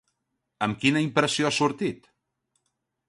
Amb quina impressió ha sortit?